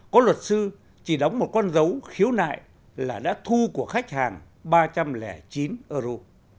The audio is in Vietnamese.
có luật sư chỉ đóng một con dấu khiếu nại là đã thu của khách hàng ba trăm linh chín euro